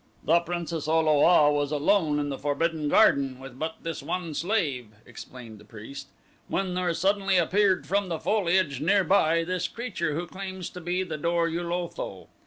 "The Princess O lo a was alone in the Forbidden Garden with but this one slave," explained the priest, "when there suddenly appeared from the foliage nearby this creature who claims to be the Dor ul Otho.